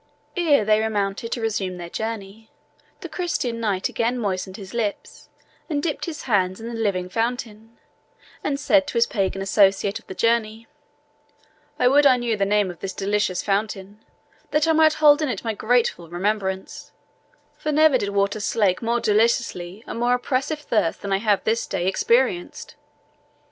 Ere they remounted to resume their journey, the Christian Knight again moistened his lips and dipped his hands in the living fountain, and said to his pagan associate of the journey, "I would I knew the name of this delicious fountain, that I might hold it in my grateful remembrance; for never did water slake more deliciously a more oppressive thirst than I have this day experienced."